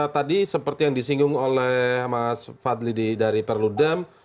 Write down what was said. tadi seperti yang disinggung oleh mas fadli dari perludem